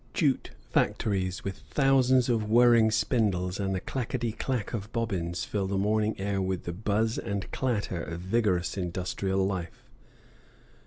Jute factories with thousands of whirring spindles and the clackety clack of bobbins fill the morning air with the buzz and clatter of vigorous industrial life.